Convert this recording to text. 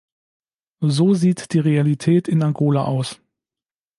So sieht die Realität in Angola aus.